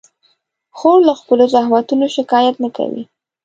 خور له خپلو زحمتونو شکایت نه کوي.